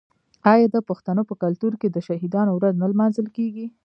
آیا د پښتنو په کلتور کې د شهیدانو ورځ نه لمانځل کیږي؟